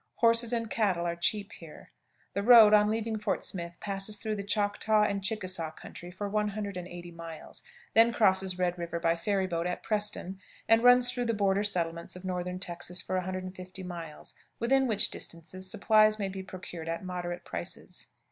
Horses and cattle are cheap here. The road, on leaving Fort Smith, passes through the Choctaw and Chickasaw country for 180 miles, then crosses Red River by ferry boat at Preston, and runs through the border settlements of northern Texas for 150 miles, within which distances supplies may be procured at moderate prices.